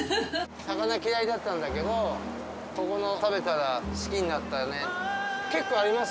魚嫌いだったんだけど、ここの食べたら、好きになったんでって、結構あります。